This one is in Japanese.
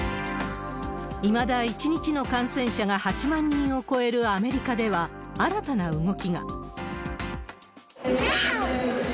いまだ、１日の感染者が８万人を超えるアメリカでは、新たな動きが。